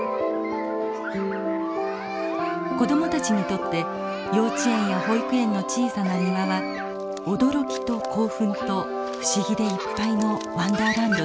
子供たちにとって幼稚園や保育園の小さな庭は驚きと興奮と不思議でいっぱいのワンダーランドです。